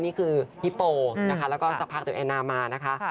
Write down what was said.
นี่คือฮิปโปนะคะแล้วก็สักพักเดี๋ยวแอนนามานะคะ